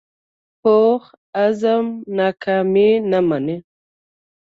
پوخ عزم ناکامي نه مني